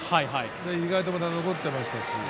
意外と残っていましたし。